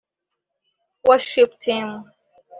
Worship Team